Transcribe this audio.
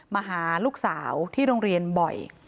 มาหาลูกสาวที่โรงเรียนบ่อย